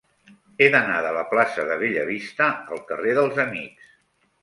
He d'anar de la plaça de Bellavista al carrer dels Amics.